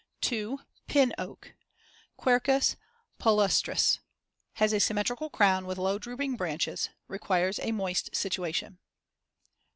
2. Pin oak (Quercus palustris) Has a symmetrical crown with low drooping branches; requires a moist situation.